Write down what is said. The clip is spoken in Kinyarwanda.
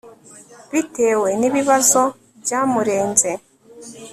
bitewe ni bibazo byamurenze